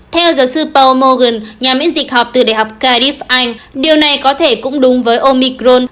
theo giáo sư pow morgan nhà miễn dịch học từ đại học cudif anh điều này có thể cũng đúng với omicron